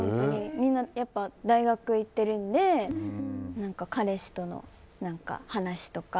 みんな大学に行っているので彼氏との話とか。